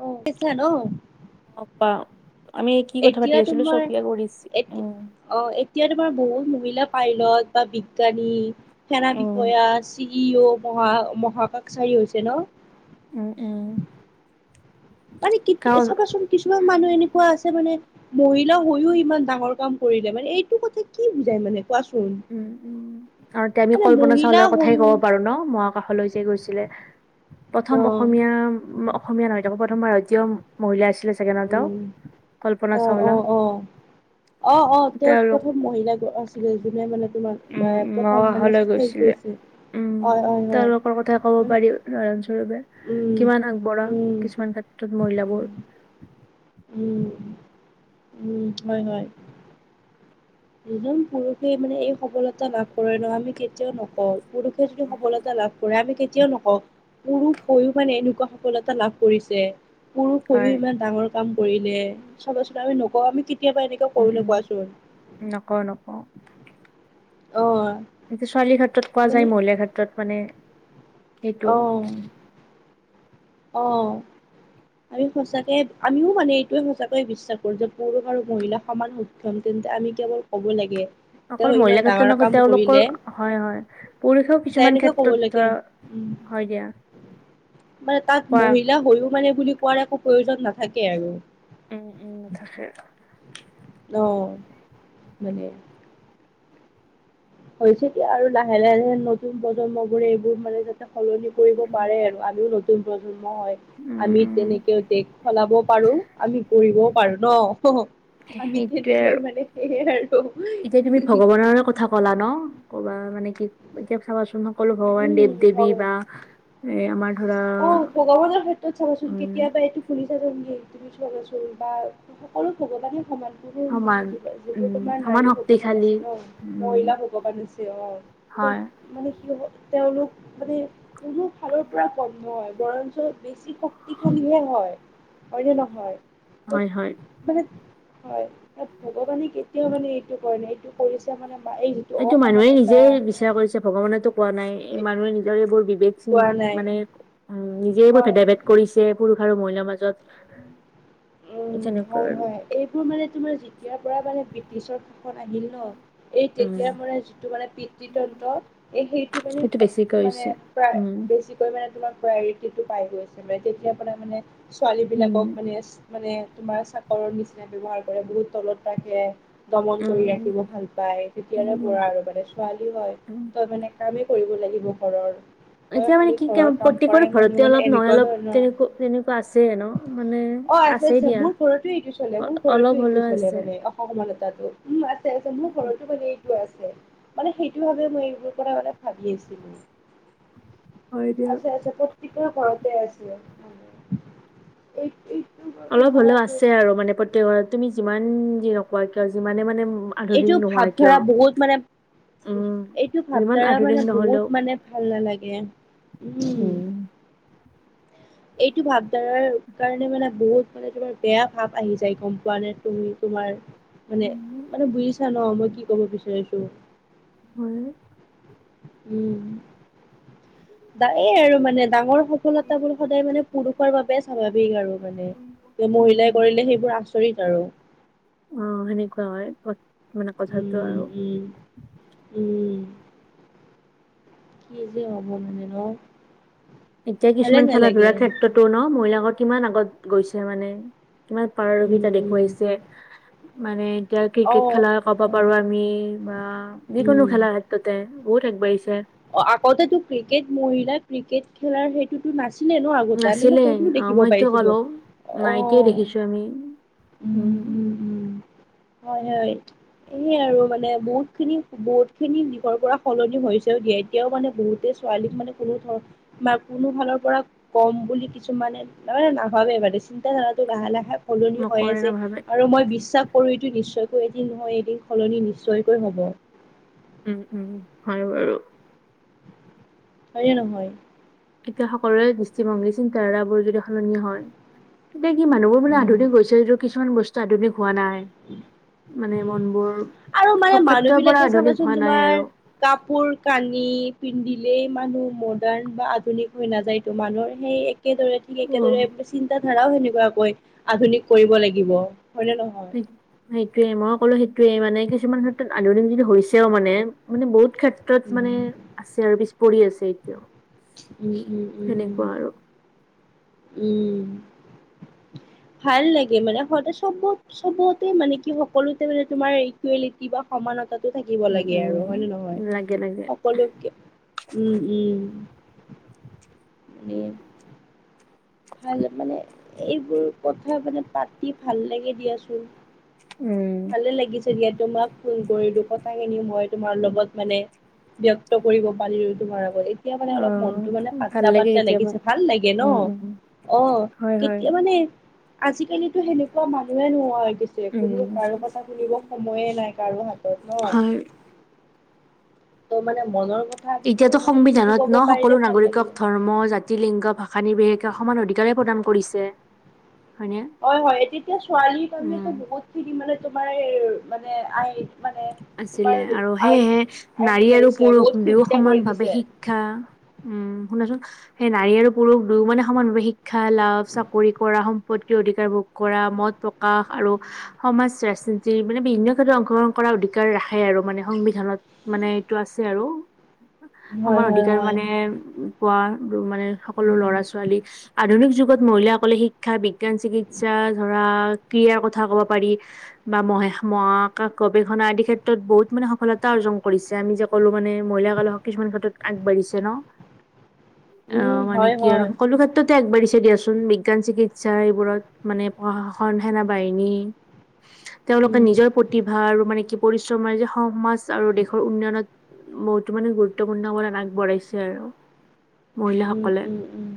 অ, কিছ ন অ কোৱা আমি কি কথা পাতি এতিয়া আছিলো তোমাৰ চফিয়া কৰিছে অ' উম এতিয়া ত তোমাৰ বহুত মহিলা পাইলট বা বিজ্ঞানী সেনা উম বিষয়া ই অ' মহা মহাকাশচাৰী হৈছে ন উম, উম। মানে কি কাৰণ চাবাচোন কিছুমান মানুহ এনে এনেকুৱা আছে মানে মহিলা হৈয়ও ইমান ডাঙৰ কাম কৰিলে মানে এইটো কথা কি বুজাই মানে কোৱাচোন উম, উম, তেন্তে মানে কল্পনা মহিলা চউলাৰ কথাই হৈও ক'ব পাৰো ন মক আকাশলৈ যে গৈছিলে অ প্ৰথম অসমীয়া অসমীয়া নহয়তো আকৌ প্ৰথম ভাৰতীয় মহিলা আছিলে ছেকেণ্ডতও উম কল্পনা চাওলা। অ-অ তেওঁত তেওঁলোক প্ৰথম মহিলা আছিলে যোনে মানে তোমাৰ উম, প্ৰথম মামা মানে ঘৰলৈ হেৰি গৈছিলে কৰিছে উম, হয় হয় হয় তেওঁলোকৰ কথা ক'ব মানে পাৰি। [unintelligible] উম কিমান আগবঢ়া উম কিছুমান ক্ষেত্ৰত মহিলাবোৰ উম উম, উম, হয়, হয়। যিজন পুৰুষে মানে এই সবলতা লাভ কৰে নহয় আমি কেতিয়াও নকওঁ পুৰুষ সেইটোই সফলতা লাভ। দয়ালো কেতিয়াও নকওঁক বহু পুৰুষ মানে এনেকুৱা সফলতা লাভ কৰিছে। পুৰুষ হৈও হয় ইমান ডাঙৰ কাম কৰিলে চাবা চোন আমি নকওঁ আমি কেতিয়াবা এনেকুৱা উম কৰো নে উম কোৱাচোন। নকওঁ অ', এয়া ছোৱালীৰ ক্ষেত্ৰত কোৱা মানে যায় মহিলাৰ ক্ষেত্ৰত মানে সেইটো অ অ', আমি সঁচাকয় আমিও মানে এইটোয়ে সঁচাকয়ে বিশ্বাস কৰো যে পুৰুষ আৰু মহিলা সমান সক্ষম তে আমি কেৱল ক'ব লাগে। তেওঁ অকল ইমান মহিলা ক্ষেত্ৰত ডাঙৰ নকয় কাম কৰিলে তেওঁলোকৰ হয় হয় পুৰুষেও ত কিছুমান এনেকে ক'ব ক্ষেত্ৰত লাগে ধৰা উম হয় দিয়া মানে তাত কোৱা মহিলা হৈও মানে বুলি কোৱাৰ একো প্ৰয়োজন নাথাকে আৰু উম-উম থাকে। অ, 'মানে হৈছে এতিয়া আৰু লাহে লাহে-লাহে নতুন প্ৰজন্ম বোৰে এইবোৰ মানে সলনি কৰিব পাৰে আৰু আলিও নতুন প্ৰ ন উম আমি উম তেনেকে দেশ খলাব পাৰো আমি কৰিবঢও পাৰো ন অ, আমি সেইটোৱে আৰু তেনেকৈ মানে সেয়ে আৰু খলা ন ক'বা মানে কি ক চাবাচোন ন সকলো ভগৱান দেৱ-দেৱী উম বা আমাৰ ধৰা অ, ' ভগৱানৰ ক্ষেত্ৰত চাবচোন উম কেতিয়াবা এইটো তুমি বা সকলো ভগৱানে সমানববোৰ মানে সমান য উম যিবোৰ তোমাৰ সমান নাৰী ভগৱান শক্তিশালী আছে ন উম মহিলা ভগৱান আছে অ হয় সমানে কি হব তেওঁলোক মানে কোনো ফালৰ পৰা কম নহয় বৰঞ্চ বেছি শক্তিশালীহে হয়- হয়নে নহয় ত হয় হয় মানে হয় তাত ভগৱানে কেতিয়াও মানে এইটো কৰে নাই এইটো কৰিছে মানে এই যিটো এইটো মানুহে অসমানতা নিজেই বিচাৰ কৰিছে ভগৱানো কোৱা নাই মানুহে নিজৰ এইবোৰ বেচি কোৱা নাই মানে উ নিজেই বোৰ হয় ভেদা-ভেদ কৰিছে পুৰুষ আৰু মহিলাৰ মাজত উম, তেনেকুৱা হয়, আৰু হয়, এইবোৰ মানে তোমাৰ যেতিয়াৰ পৰা মানে ব্ৰিটিছৰ আহিল ন এই উম তেতিয়া মানে, যিটো মানে, পিতৃ তন্ত্ৰ এই সেইটো মানে, বেছিকৈ মানে, হৈছে প্ৰায় উম বেছিকৈ মানে, তোমাৰ টো পাই গৈছে মানে, তেতিয়া পৰা মানে ছোৱালী উম বিলাকক মানে মানে, তোমাৰ চাকৰৰ নিচিনা ব্যৱহাৰ কৰে, বহুত তলত ৰাখে দমন কৰি ৰাখিব উম ভাল পায়, তেতিয়াৰে পৰা আৰু মানে, ছোৱালী হয় উম তই মানে কাম কৰিব লাগিব ঘৰৰ তই এতিয়া খালি মানে কি ক ঘৰৰ কাম কৰাই প্ৰত্যেকৰে মানুহ ঘৰতে মানে অলপ নহয় এনেকুৱা অলপ ধৰণৰ তেনেকা তেনেকুৱা আছে ন মানে অ আছে আছে মোৰ ঘৰতো এইটো চলে মোৰ অলপ ঘৰতো এইটো হ'লেও চলে আছে মানে অসমানতাটো উ আছে আছে মোৰ, মানে, এইটো আছে মানে, সেইটো ভাবে মই এইবোৰ কথা মানে, ভাবি আছিলো হয় দিয়া আছে আছে কত [unintelligible] ঘৰতে আছে বাবে অলপ হলেও চাবাচোন আছে আৰু মানে, প্ৰত্যেকৰে তুমি যিমান যি নকোৱা কিয় যিমানে মানে, আধুনিক এইটো নোহোৱা ভাৱ কিয় ধৰা বহুত মানে উম, এইটো যিমান ভাৱধাৰা আধুনিক মানে, নহ'লেও বহুত মানে, ভাল নালাগে উম, উম। এইটো ভাৱধাৰাৰ কাৰণে মানে, বহুত মানে, তোমাৰ বেয়া ভাৱ আহি যায় গম পোৱা নে তুমি তোমাৰ মানে, মানে বুজিছা নে মই কি কব বিচাৰিছো হয়। উম। আৰু মানে, ডাঙৰ সফলতাবোৰ সদায় মানে পুৰুষৰ বাবে স্বাভাৱিক আৰু মানে, মহিলাই উম। কৰিলে সেইবোৰ আচৰিত আৰু। অ', সেনেকুৱা হয়, ক- মানে কথাটো উম আৰু। উম উম। কি যে হ'ব ন'। এতিয়া ভালে কিছুমান খেলা নালাগে ধূলাৰ ক্ষেত্ৰতো ন' মহিলাকৰ কিমান আগত গৈছে মানে। কিমান উম পাৰদৰ্শিতা উম দেখুৱাইছে মানে এতিয়া অ ক্ৰিকেট খেলা ক'ব হয়। পাৰো আমি বা যিকোনো উম। খেলা ক্ষেত্ৰতে বহুত আগবাঢ়িছে। আগতেতো ক্ৰিকেট মহিলা ক্ৰিকেট খেলাৰ সেইটোতো নাছিল নাছিলে অ' মই সটো কলো অ নাইকিয়াই দেখিছো আমি। উম। হয় হয় এইয়ে আৰু মানে বহুত খিনি বহুত খিনি দিশৰ পৰা সলনি হৈ হৈছে। দিয়ে এতিয়াও মানে বহুতে ছোৱালীক মানে কোনো ধৰ কোনো ফালৰ পৰা কম বুলি কিছুমান মানে নাভাবে মানে চিন্তা ধাৰাটো লাহে লাহে সলনি হৈ নকৰে আছে নাভাবে আৰু মই বিশ্বাস সৰুটো নিশ্চয়কৈ এদিন নহয় এদিন সলনি নিশ্চয়কৈ হ'ব। উম, উম, হয় বাৰু। হয় নে নহয়। কেতিয়া সকলোৰে দৃষ্টিভংগী চিন্তাধাৰাবোৰ যদি সলনি হয়। এতিয়া কি মানুহবোৰ মানে উম আধুনিক গৈছে যিটো কিছুমান বস্তু আধুনিক হোৱা নাই। মানে উম মনবোৰ আৰু মানে চব মানুহ ক্ষেত্ৰৰ পৰা বিলাকে আধুনিক চাবাচোন হোৱা নাই তোমাৰ আৰু কাপোৰ কানি পিন্ধি এই মানুহ মডাৰ্ণ বা আধুনিক হৈ নাযায় তো মানুহৰ সেই এক একেদৰে ঠিক অ একেদৰে চিন্তা ধাৰাও সেনেকুৱাকৈ আধুনিক কৰিব লাগিব। হয়নে নহয়। সেই সেইটোয়ে মই কলো সেইটোয়ে মানে কিছুমান ক্ষেত্ৰত আধুনিক যদি হৈছেও মানে মানে বহুত বহত ক্ষেত্ৰত মানে উম, আছে আৰু পিছ পৰিৰি আছে এতিয়াও। উম, উম, উম, উম। সেনেকুৱা আৰু উম। ভাল লাগে মানে স চ'ব চবতে মানে কি সকলোতে মানে তোমাৰ ইকুৱেলিটি বা সমানতা থাকিব উম লাগে আৰু হয় নে নহয়। উম লাগে লাগে সকলোকে উম, উম। উম। ভাল মানে এইবোৰ কথা মানে পাতি ভাল লাগে দিয়াচোন। উম ভালে লাগিছে দিয়া তোমাক ফোন কৰিলো কথা কিনি মই তোমাৰ লগত মানে ব্যয়ক্ত কৰিব পাৰিলো তোমাৰ আগত। এতিয়া মানে অ অলপ মনতটো মানে ভাল পাতলা লাগে পাতলা কেতিয়াবা লাগিছে ভাল লাগে ন'। উম উম অ' হয় হয় কেতিয়া মানে আজিকালি সেনেকুৱা মানুহে নোহ হৈ গৈছে উম কোনো আৰু কথা শুনিব সময়ে নাই কাৰো হাতত হয় ন'। ত' মানে মনৰ কথাবোৰ এতিয়াতো মানে খুলি সংবিধানত ক'ব ন' পাৰিলে সকলো ভাল লাগিলে। নাগৰিকক ধৰ্ম জাতি লিংগ ভাষা নিৰ্বেষে সমান অধিকাৰ প্ৰদান কৰিছে। হয়নে? হয় হয় তেতিয়া ছোৱালীৰ উম কাৰণেতো বহুত খিনি মানে তোমাৰ মানে আহ মানে তোমাৰ আছিলে আৰু আইন সেয়েহে আইন নাৰী আৰু ওলাইছে পুৰুষ বহুত দুও সুবিধা সমান কৰি ভাৱে দিছে। শিক্ষা উম, শুনাচোন সেই নাৰী আৰু পুৰুষ দুয়ো মানে সমানভাৱে শিক্ষা লাভ চাকৰি কৰা সম্পত অধিকাৰ ভোগ কৰা মত প্ৰকাশ আৰু সমাজ ৰাজনীতি মানে বিভিন্ন ক্ষেত্ৰত অংশগ্ৰহণ কৰা অ ৰাখে আৰু মানে সংবিধানত মানে এইটো আছে আৰু। হয় সমান হয় অধিকাৰ হয় মানে পোৱা মানে সকলো উম ল'ৰা ছোৱালী আধুনিক যুগ মহাসকলে শিক্ষা বিজ্ঞান চিকিৎসা ধৰা ক্ৰীৰ কথা কব পাৰি বা ম গৱেষণা আদি ক্ষেত্ৰত বহুত মানে সফলতা অৰ্জন কৰিছে আমি যে ক'লো মানে মহিলাকালক কিছুমান ক্ষেত্ৰত আগবাঢ়িছে ন'। উম অ' মানে হয় কি আৰু হয় সকলো ক্ষেত্ৰত আগবাঢ়িছে দিয়াচোন, বিজ্ঞান চিকিৎসা এইবোৰত মানে প্ৰশাসন সেনা বাহিনী তেওঁলোকে উম নিজৰ প্ৰতিভা আৰু মানে কি পৰিশ্ৰম কৰে যে সমাজ আৰু দেশৰ উন্নয়নত। বহুতো মানে গুৰুত্বপূৰ্ণ আগবঢ়াইছে আৰু। উম মহিলাসকলে। উম উম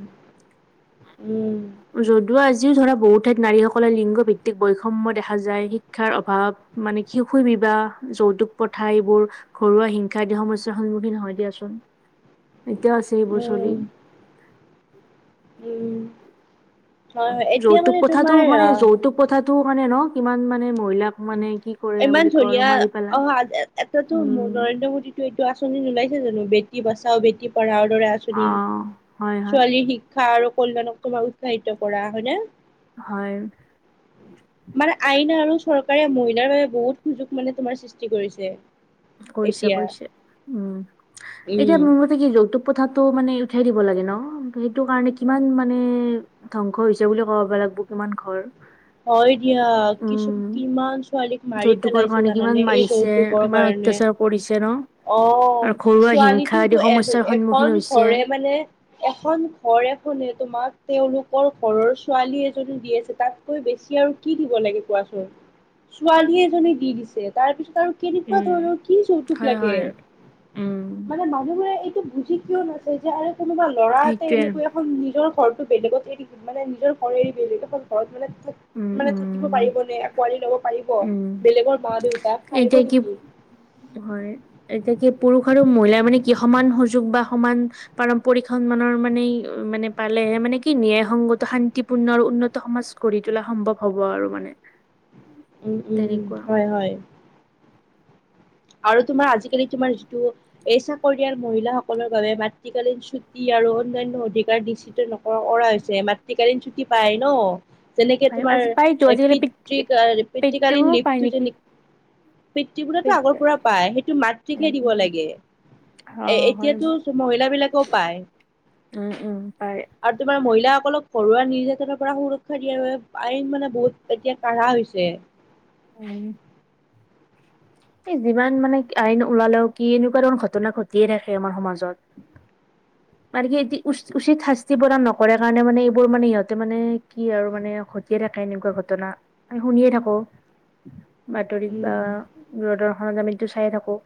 উম যদিও আজি যিও ধৰা বহুত ঠাইত নাৰীসকলে লিংগ ভিত্তিক বৈষম্য দেখা যায়। শিক্ষাৰ অভাৱ মানে শিশু বা যৌতুক প্ৰথা এইবোৰ ঘৰুৱা হিংসা আদি সমস্যাৰ সন্মুখীন হয় দিয়াচোন। [inaudible] এতিয়াও আছে সেইবোৰ উম চলি। উম। হয় হয় এতিয়া যৌতুক মানে প্ৰথাটো তোমাৰ মানে আহ যৌতুক প্ৰথাটো মানে ন' কিমান মানে মহিলাক মানে কি কৰে বুলি ইমান কয় আৰু ধুনীয়া মাৰি পেলাই অ' এটাতো উম নৰেন্দ্ৰ মোডীটো এইটো আঁচনি ওলাইছে জানো বেটি বচাও বেটি পঢ়া দৰে অ আঁচনি, হয় হয় ছোৱালীৰ শিক্ষা আৰু কল্যাণক তোমাক উৎসাহিত কৰা হয়নে? হয়। মানে আইন আৰু চৰকাৰে মহিলাৰ বাবে বহুত সুযোগ মানে তোমাৰ সৃষ্টি কৰিছে। কৰিছে এতিয়া কৰিছে উম। এতিয়া উম মোৰ মতে কি যৌতক প্ৰথা মানে উঠাই দিব লাগে ন' সেইটো কাৰণে কিমান মানে ধ্বংস হৈছে বুলি ক'ব লাগিব। কিমান ঘৰ হয় দিয়া। কিছু উম কিমান ছোৱালীক মাৰি পেলাইছে জানানে এই দৌতুকৰ কাৰণে। পেচাৰ পৰিছে ন'? অ' আৰু ঘৰুৱা হিংসা আদি ছোৱালীটোতো সমস্যাৰ সন্মুখীন এযে-এখন হৈছে ঘৰে মানে এখন ঘৰে হোনে তোমাক তেওঁলোকৰ ঘৰৰ ছোৱালী এজনী দি আছে তাক তাতকৈ বেছি আৰু কি দিব লাগে কোৱাচোন? ছোৱালী এজনে দি দিছে তাৰ পিছত আৰু কেনেকুৱা উম ধৰণৰ কি যৌতুক হয় লাগে, হয় উম মানে মানুহবোৰে এইটো ঠিক কিয় নাছে যে আৰু কোনোবা ল'ৰাতে সেইটোৱে এনেকৈ এখন নিজৰ ঘৰটো বেলেগত এৰি মানে নিজৰ ঘৰ এৰি বেলেগ এখন ঘৰত মানে উম মানে থাকিব পাৰিব উম নে। আঁকোৱালি ল'ব পাৰিব, উম বেলেগৰ মা দেউতাক পাৰিব এতিয়া কি নেকি? হয়। এতিয়া কি পুৰুষৰো মহিলাই মানে কি সমান সুযোগ বা সমান পাৰম্পৰিক সন্মানৰ মানে মানে পালেহে মানে কি কিনিয়ে সংগত শান্তিপূৰ্ণ আৰু উন্নত সমাজ গঢ়ি তোলা সম্ভৱ হ'ব আৰু মানে। উম, উম, উম, তেনেকুৱা হয় হয়। আৰু তোমাৰ আজিকালি তোমাৰ যিটো এই চাকৰিয়াল মহিলাসকলৰ বাবে মাতৃকালীন ছুটি আৰু অন্যয়ান্য অধিকাৰ নিশ্চিত নকৰা কা হৈছে, মাতৃকালীন ছুটী পাই ন'। যেনেকে তোমাৰ আজি পাইতো আজিকালি পেটটোও পিতৃ-পিতৃকালীন পায় লিপটো নেকি যেনে পিতৃবোৰেটো আগৰ পৰা পায়, সেইটো মাতৃকহে উম দিব উম লাগে। এ, অ হয় এতিয়াতো মহিলাবিলাকেও পায়। উম উম পাৰে আৰু তোমাৰ মহিলাাসকলক ঘৰুৱা নিৰ্যাতনৰ পৰা সুৰক্ষা দিয়াৰ বাবে আইন মানে বহুত এতিয়া কাঢ়া হৈছে। উম। এই যিমান মানে আইন ওলালেও কি এনেকুৱা ধৰণৰ ঘটনা ঘটিয়ে থাকে আমাৰ সমাজত। মানে কি এ, উচ-উচিত শাস্তি প্ৰদান নকৰে কাৰণে মানে এইবোৰ মানে ইহঁতে মানে কি আৰু মানে ঘটিয়ে থাকে এনেকুৱা ঘটনা শুনিয়ে থাকোঁ। [inaudible] বাতৰিত বা উম ৰদৰ্শনত আমিটো চায়ে থাকোঁ।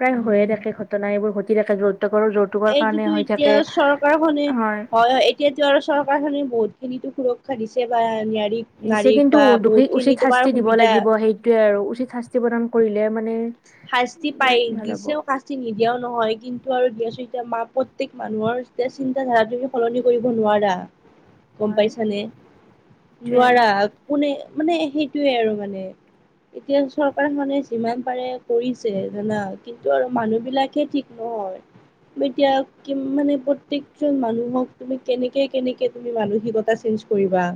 প্ৰায় হৈয়ে উম থাকে ঘটনা এইবোৰ ঘটি থাকে ৰ'ত এইটোতো এতিয়া চৰকাৰখনে হয় এতিয়াতো আৰু চৰকাৰখনে বহুত খিনিতো সুৰক্ষা দিছে বা ন্যায় দিছে কিন্তু দোষীক উচিত শাস্তি দিব সুবিধা লাগিব সেইটোয়ে আৰু উচিত শাস্তি প্ৰদান কৰিলে মানে শাস্তি উম পায়েই। ভাল হ'ব দিছেও শাস্তি নিদিয়াও নহয় কিন্তু। আৰু দি আছো এতিয়া মা প্ৰতক মানুহৰ এতিয়া চিন্ত ধাৰা তুমি সলনি কৰিব নোৱাৰা গম হয় পাইছানে সেইটোৱে আৰু নোৱাৰা কোনে মানে, সেইটোয়ে আৰু মানে, এতিয়া চৰকাৰ মানে যিমান একেবাৰে কৰিছে জানা কিন্তু আৰু মানুহ বিলাকে ঠিক নহয় এতিয়া কি মানে, প্ৰত্যেকজন মানুহক তুমি কেনেকে কেনেকে তুমি মানসিকতা কৰিবা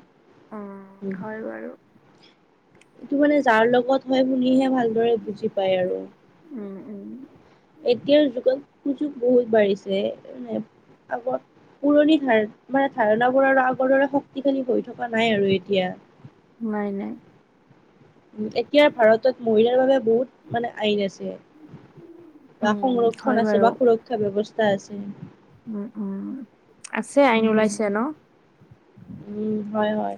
অ', হয় বাৰু এইটো মানে, যাৰ লগত হয় শুনিহে ভালদৰে বুজি পায় আৰু উম উম এতিয়াৰ যুগতু বহুত বাঢ়িছে আগৰ পুৰণি ধাৰ মানে, ধাৰণাবোৰ আৰু আগৰ দৰে শক্তিশালী হৈ থকা নাই আৰু এতিয়া নাই, নাই, এতিয়া, ভাৰতত মহিলাৰ বাবে বহুত মানে, আইন আছে বা উম হয় সংৰক্ষণ আছে বাৰু বা সুৰক্ষা ব্যৱস্থা আছে উম, উম, আছে আইন উম ওলাইছে ন- উম, হয়, হয়,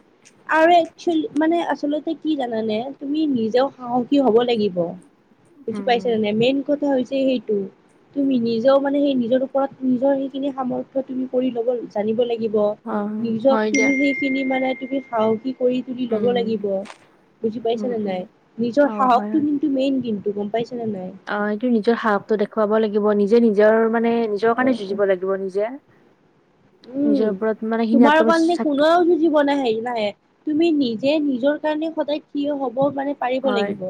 আৰু একচ মানে আচলতে কি জানানে তুমি নিজেও সাহসী হব লাগিব বুজি উম, পাইছো জানে মেইন কথা হৈছে সেইটো তুমি নিজেও মানে, সেই নিজৰ ওপৰত নিজৰ সেইখিনি সামৰ্থয় তুমি কৰি ল'ব জানিব লাগিব অ', নিজ হয় দিয়া। তুমি সেইখিনি মানে, তুমিাহসিক কৰি তুলি ল'ব লাগিব উম, বুজি পাইছ উম, নে নাই উম। নিজৰ অ', হয়, সাহসটো হয়। কিন্তু মেইন কিন্তু গম পাইছানে নাই অ', ইটো নিজৰ সাহসটো দেখুৱাব লাগিব নিজে নিজৰ মানে নিজৰ অ কাৰণে অ যুঁজিব লাগিব নিজে নিজৰ উম ওপৰত মানে সীন তোমাৰ কাৰণে আত্মবিশ্বাস। কোনেও যুঁজিব ন হেৰি নাহে তুমি নিজ যে নিজৰ কাৰণে সদায় থিয় হব মানে, পাৰিব হয়, লাগিব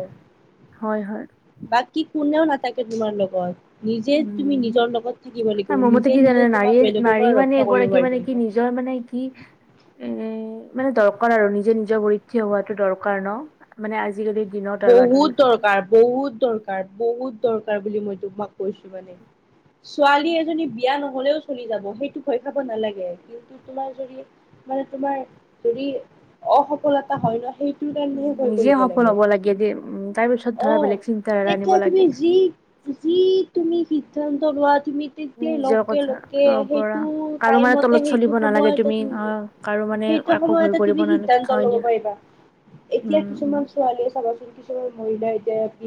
হয়, হয়। বাকী কোনেও না তাকে তোমাৰ লগত নিজে তুমি উম, নিজৰ লগত থাকিব আৰু লাগিব মোৰ মতে নিজে কি জানা নিজে তোমাক নাৰীয়ে বেলেগৰ নাৰী পৰা মানে ৰক্ষা কৰিব এগৰাকী পাৰিব মানে কি লাগিব নিজৰ মানে, কি- এ মানে দৰকাৰ আৰু নিজে নিজৰ ভৰিত থিয় হোৱাতটো দৰকাৰ ন মানে, আজিকালি বহুত দৰকাৰ, বহুত উম, দৰকাৰ, বহুত দৰকাৰ বুলি মই, তোমাক কৈছো মানে ছোৱালী এজনী বিয়া নহলেও চলি যাব, সেইটো ভয় খাব নালাগে কিন্তু তোমাৰ জদি মানে, তোমাৰ যদি অসফলতা হয় ন সেইটো কাৰণে ভয় নিজে কৰিব সফল লাগে হ'ব যে, উম, তাৰ পিছত ধৰা অ', বেলেগ চিন্তাধাৰা আনিব তুমি লাগে। যি যি তুমি [unintelligible] তুমিতে তুমি দে নিজৰ লগে কথা লগে ল'ব পৰা সেইটো কাৰো মানে টাইমতে তলত সেইটো চলিব নালাগে সময়তে তুমি অ কাৰো মানে সেইটো একো ভয় সময়তে কৰিব তুমি নালাগে সিদ্ধান্ত হয় লব দিয়া পাৰিবা উম এতিয়া উম কিছুমান ছোৱালীয়ে চাবাচোন মহিলা এতিয়া